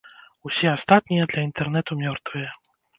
Усе астатнія для інтэрнэту мёртвыя.